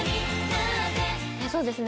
そうですね